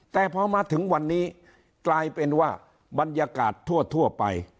แต่พอมาถึงวันนี้กลายเป็นว่าบรรยากาศทั่วไป